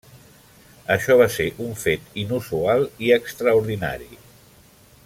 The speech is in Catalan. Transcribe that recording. Això va ser un fet inusual i extraordinari.